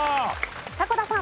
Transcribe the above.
迫田さん。